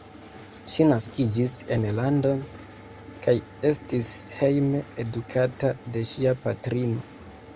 Ŝi naskiĝis en London kaj estis hejme edukata de ŝia patrino.